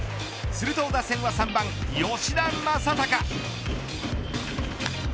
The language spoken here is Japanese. すると打線は３番、吉田正尚。